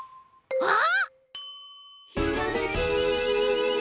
あっ！